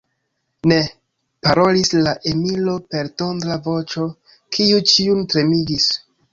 Ne! parolis la emiro per tondra voĉo, kiu ĉiujn tremigis.